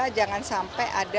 dan jangan sampai ada yang tidak